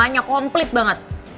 semuanya komplit banget